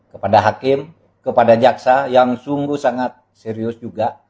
kepada hakim kepada jaksa yang sungguh sangat serius juga